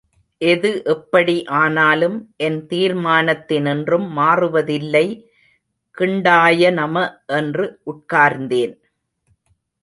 எது எப்படி ஆனாலும், என் தீர்மானத்தினின்றும் மாறுவதில்லை கிண்டாய நம என்று உட்கார்ந்தேன்.